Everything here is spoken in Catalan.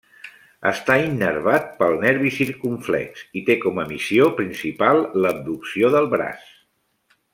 Està innervat pel nervi circumflex i té com a missió principal l'abducció del braç.